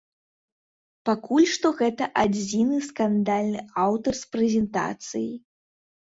Пакуль што гэта адзіны скандальны аўтар з прэзентацыі.